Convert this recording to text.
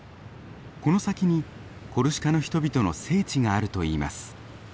この先にコルシカの人々の聖地があるといいます。